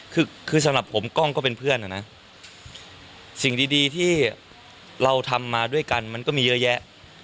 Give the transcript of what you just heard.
คือคือสำหรับผมกล้องก็เป็นเพื่อนอ่ะนะสิ่งดีที่เราทำมาด้วยกันมันก็มีเยอะแยะ